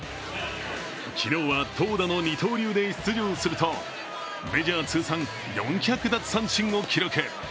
昨日は投打の二刀流で出場するとメジャー通算４００奪三振を記録。